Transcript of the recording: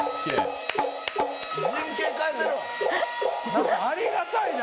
何かありがたいな。